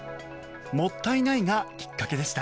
もったいないがきっかけでした。